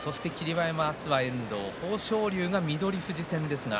馬山あすは遠藤豊昇龍が翠富士戦です。